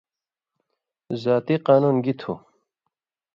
ذاتی قانُون گی تُھو؟